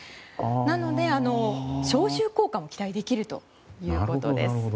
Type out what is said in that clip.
なので、消臭効果も期待できるということです。